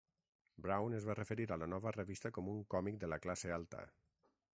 Brown es va referir a la nova revista com un còmic de la classe alta.